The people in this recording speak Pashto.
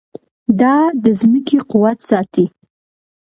دا د ځمکې قوت ساتي.